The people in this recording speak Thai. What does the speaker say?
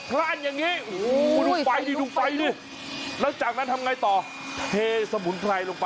ตะไกรอะไรตะไกร